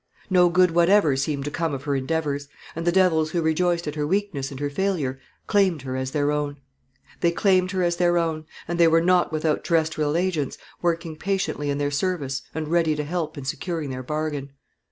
No good whatever seemed to come of her endeavours; and the devils who rejoiced at her weakness and her failure claimed her as their own. They claimed her as their own; and they were not without terrestrial agents, working patiently in their service, and ready to help in securing their bargain.